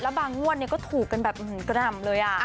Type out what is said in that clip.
แล้วบางมวดก็ถูกกันแบบกระดำเลย